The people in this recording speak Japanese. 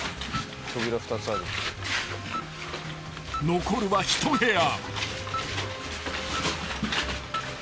［残るは１部屋］